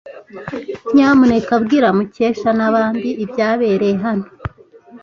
Nyamuneka bwira Mukesha nabandi ibyabereye hano.